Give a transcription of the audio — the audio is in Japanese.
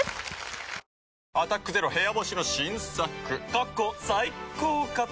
過去最高かと。